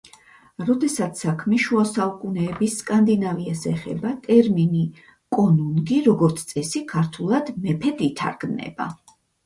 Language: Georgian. როდესაც საქმე შუასაუკუნეების სკანდინავიას ეხება, ტერმინი კონუნგი, როგორც წესი, ქართულად „მეფედ“ ითარგმნება.